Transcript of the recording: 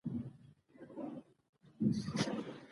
تېره ورځ د ملک صاحب کره ناست وو